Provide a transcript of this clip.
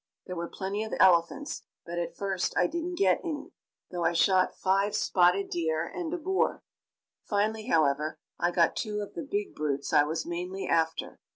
There were plenty of elephants, but at first I didn't get any, though I shot five spotted deer and a boar. Finally, however, I got two of the big brutes I was mainly after.